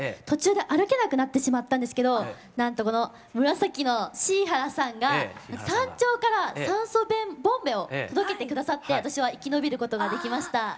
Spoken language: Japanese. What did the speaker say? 途中で歩けなくなってしまったんですけどなんとこの紫の椎原さんが山頂から酸素ボンベを届けて下さって私は生き延びることができました。